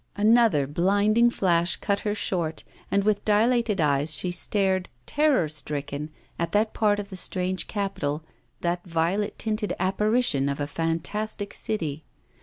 Another blinding flash cut her short, and with dilated eyes she stared, terror stricken, at that part of the strange capital, that violet tinted apparition of a fantastic city.